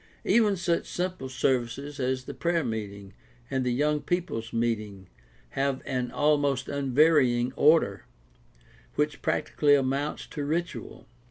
Even such simple services as the prayer meeting and the young people's meeting have an almost unvarying order, which practically amounts to ritual.